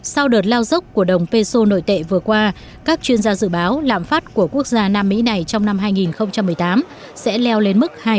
sau đợt lao dốc của đồng peso nội tệ vừa qua các chuyên gia dự báo lạm phát của quốc gia nam mỹ này trong năm hai nghìn một mươi tám sẽ leo lên mức hai